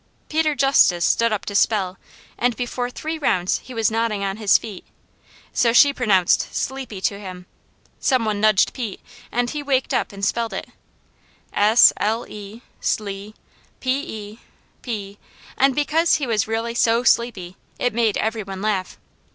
Peter Justice stood up to spell and before three rounds he was nodding on his feet, so she pronounced "sleepy" to him. Some one nudged Pete and he waked up and spelled it, s l e, sle, p e, pe, and because he really was so sleepy it made every one laugh.